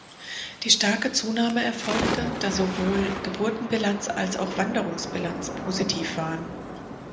Die starke Zunahme erfolgte, da sowohl Geburtenbilanz als auch Wanderungsbilanz positiv waren.